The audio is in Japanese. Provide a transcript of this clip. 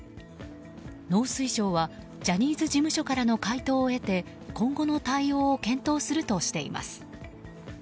農水省はジャニーズ事務所からの回答を得て今後の対応を検討するとしています。